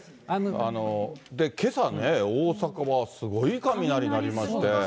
けさね、大阪はすごい雷鳴りまして。